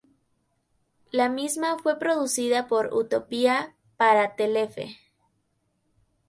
La misma fue producida por Utopía, para Telefe.